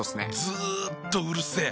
ずっとうるせえ。